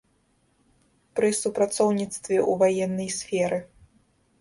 Пры супрацоўніцтве ў ваеннай сферы.